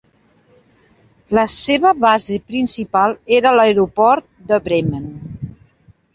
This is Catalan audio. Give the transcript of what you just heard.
La seva base principal era l'aeroport de Bremen.